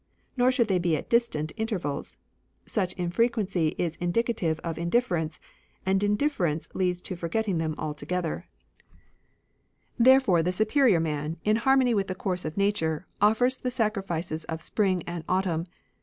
Nor should they be at distant intervals. Such infrequency is indicative of indifference ; and indifference leads to forgetting them altogether. 27 RELIGIONS OF ANCIENT CHINA Therefore the superior man, in harmony with the course of Nature, offers the sacrifices of spring and autumn.